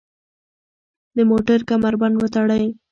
د موټر کمربند وتړئ.